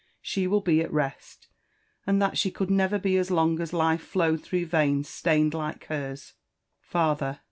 — she will be at rest, And that she could never be as long as life flowed through veins staiued like herEk. Father